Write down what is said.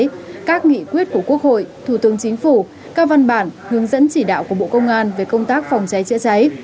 các nghị quyết của quốc hội thủ tướng chính phủ các văn bản hướng dẫn chỉ đạo của bộ công an về công tác phòng cháy chữa cháy